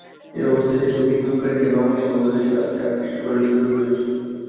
এই অবস্থায় সেসব বিনিয়োগকারীকে বাংলাদেশের মতো দেশে আসতে আকৃষ্ট করার সুযোগ রয়েছে।